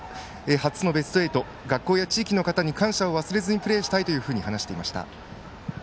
初のベスト８、学校や地域の方に感謝を忘れずにプレーしたいと話していました。